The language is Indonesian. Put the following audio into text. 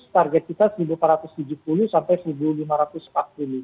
target kita rp satu empat ratus tujuh puluh sampai rp satu